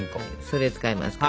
それ使いますから。